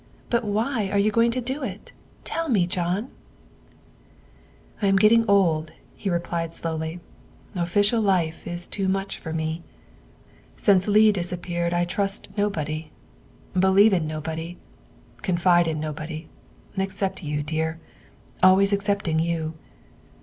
But why are you going to do it, tell me, John. '''' I am getting old, '' he replied slowly ;'' official life is too much for me. Since Leigh disappeared I trust nobody, believe in nobody, confide in nobody except you, dear, always excepting you."